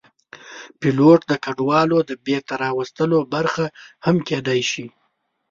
پیلوټ د کډوالو د بېرته راوستلو برخه هم کېدی شي.